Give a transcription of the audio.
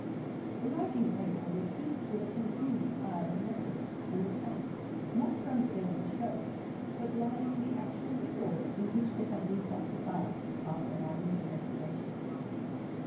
The writing table was heaped with a confused pile of letters and accounts—not thrown together for show, but lying in the actual disorder in which they had been tossed aside after a minute investigation.